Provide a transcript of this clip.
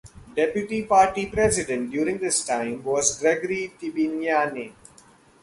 Deputy party president during this time was Gregory Tibinyane.